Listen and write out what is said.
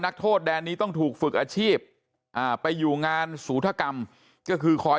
นักโทษแดนนี้ต้องถูกฝึกอาชีพไปอยู่งานสูธกรรมก็คือคอย